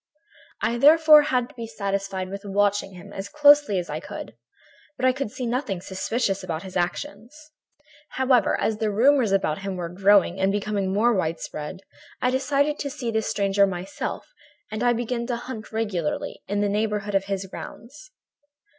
"I therefore had to be satisfied with watching him as closely as I could, but I could see nothing suspicious about his actions. "However, as rumors about him were growing and becoming more widespread, I decided to try to see this stranger myself, and I began to hunt regularly in the neighborhood of his grounds.